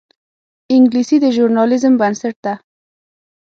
انګلیسي د ژورنالیزم بنسټ ده